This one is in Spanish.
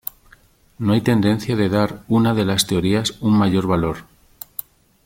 No hay tendencia de dar una de las teorías un mayor valor.